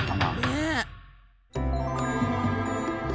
ねえ。